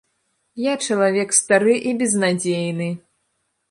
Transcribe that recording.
Я чалавек стары і безнадзейны.